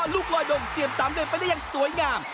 ลูกลอยดงเซียมสามเด่นไปได้ยังสวยงาม